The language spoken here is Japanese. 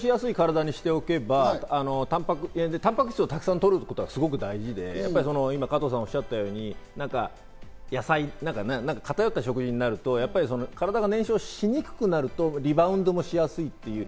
燃焼しやすい体にしておけばタンパク質をたくさん取ることが大事で今、加藤さんがおっしゃったように偏った食事になると体が燃焼しにくくなるとリバウンドもしやすい。